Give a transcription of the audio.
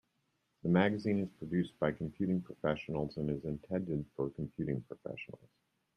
The magazine is produced by computing professionals and is intended for computing professionals.